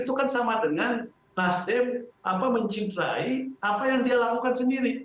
itu kan sama dengan nasdem mencintai apa yang dia lakukan sendiri